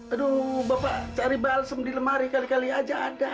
aduh bapak cari balsum di lemari kali kali aja ada